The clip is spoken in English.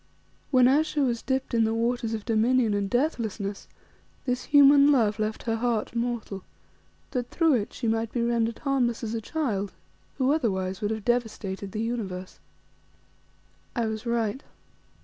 When Ayesha was dipped in the waters of Dominion and Deathlessness, this human love left her heart mortal, that through it she might be rendered harmless as a child, who otherwise would have devastated the universe. I was right.